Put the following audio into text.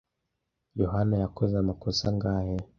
Yohani yakoze amakosa angahe?